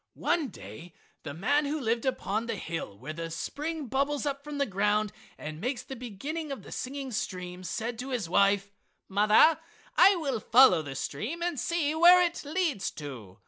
One day the man who lived upon the hill where the spring bubbles up from the ground and makes the beginning of the singing stream said to his wife: "Mother, I will follow the stream and see where it leads to!"